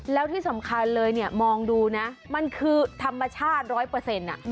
แล้วที่สำคัญเลยเนี่ยมองดูนะมันคือธรรมชาติร้อยเปอร์เซ็นต์